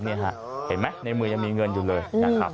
เห็นไหมในมือยังมีเงินอยู่เลยนะครับ